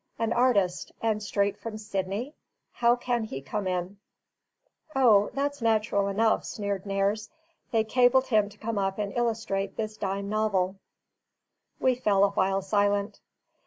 An artist, and straight from Sydney? How can he come in?" "O, that's natural enough," sneered Nares. "They cabled him to come up and illustrate this dime novel." We fell a while silent.